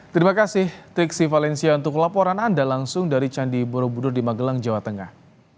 terima kasih triksi valencia untuk laporan anda langsung dari candi borobudur di magelang jawa tengah